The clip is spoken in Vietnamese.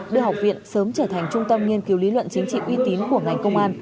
đưa học viện sớm trở thành trung tâm nghiên cứu lý luận chính trị uy tín của ngành công an